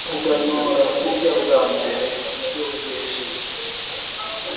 kuganura: kurya bwa mbere ku byo bejeje...